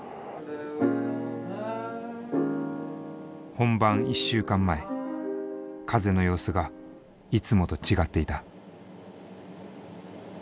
本番１週間前風の様子がいつもと違っていた。